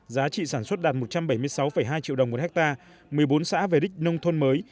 giá trị sản xuất đạt một trăm bảy mươi sáu hai triệu đồng một hectare một mươi bốn xã về đích nông thôn mới